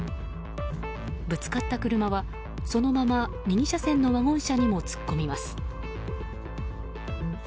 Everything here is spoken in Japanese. ぶつかった車はそのまま右車線のワゴン車にも突っ込みます。